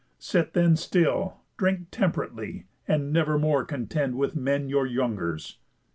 Sit, then, still, Drink temp'rately, and never more contend With men your youngers."